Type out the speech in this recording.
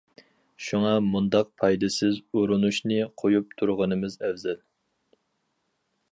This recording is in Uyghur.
شۇڭا مۇنداق پايدىسىز ئۇرۇنۇشنى قويۇپ تۇرغىنىمىز ئەۋزەل.